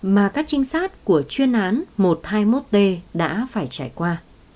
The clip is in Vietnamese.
mà các trinh sát của chuyên án một trăm hai mươi một t đã phải trải qua